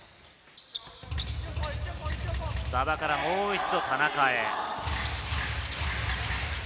馬場からもう一度、田中へ。